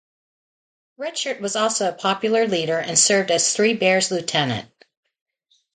Red Shirt was also a popular leader and served as Three Bears' lieutenant.